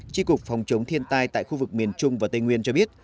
tri cục phòng chống thiên tai tại khu vực miền trung và tây nguyên cho biết